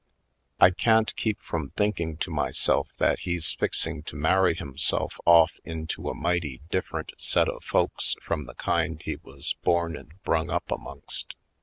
I can't keep from thinking to myself that he's fixing to marry himself off into a mighty different set of folks from the kind he was born and brung up amongst.